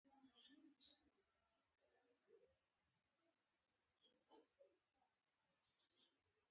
کلیوال سرکونه څلویښت کیلومتره سرعت لري